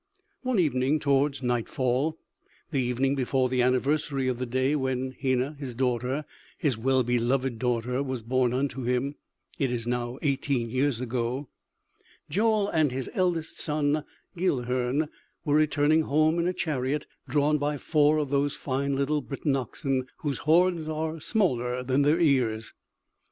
One evening towards nightfall the evening before the anniversary of the day when Hena, his daughter, his well beloved daughter was born unto him it is now eighteen years ago Joel and his eldest son Guilhern were returning home in a chariot drawn by four of those fine little Breton oxen whose horns are smaller than their ears.